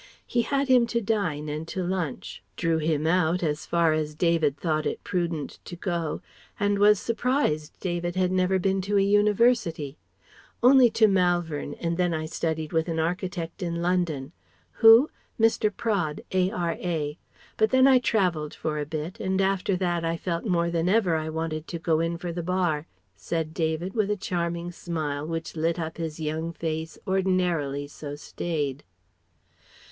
He had him to dine and to lunch; drew him out as far as David thought it prudent to go and was surprised David had never been to a University ("Only to Malvern and then I studied with an architect in London Who? Mr. Praed, A.R.A. but then I travelled for a bit, and after that I felt more than ever I wanted to go in for the Bar" said David, with a charming smile which lit up his young face ordinarily so staid).